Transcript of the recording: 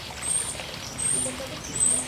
Libertad de circulación".